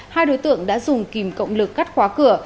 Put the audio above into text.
hai đối tượng đã dùng kìm cộng lực cắt khóa cửa